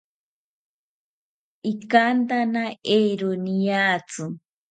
Ikantana eero niatzi